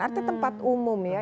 artinya tempat umum ya